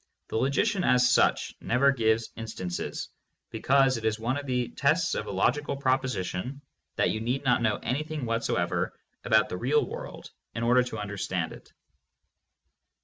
The logician as such never gives in stances, because it is one of the tests of a logical proposi tion that you need not know anything whatsoever about the real world in order to understand it.